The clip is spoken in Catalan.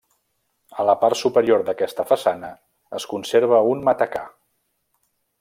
A la part superior d'aquesta façana es conserva un matacà.